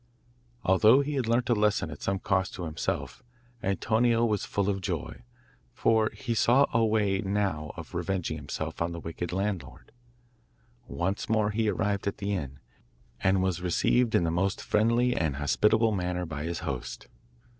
Although he had learnt a lesson at some cost to himself, Antonio was full of joy, for he saw a way now of revenging himself on the wicked landlord. Once more he arrived at the inn, and was received in the most friendly and hospitable manner by his host.